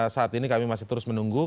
saat ini kami masih terus menunggu